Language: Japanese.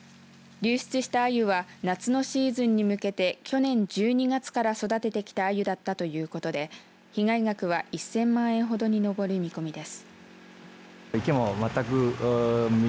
流出したアユは夏のシーズンに向けて去年１２月から育ててきたアユだったということで被害額は１０００万円ほどに上る見込みです。